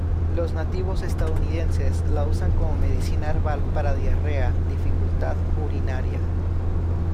Los nativos estadounidenses la usan como medicina herbal para diarrea, dificultad urinaria.